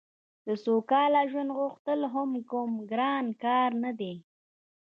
د سوکاله ژوند غوښتل هم کوم ګران کار نه دی